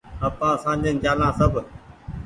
آپآن سآجين چآليا سب